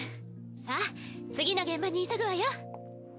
さぁ次の現場に急ぐわよ！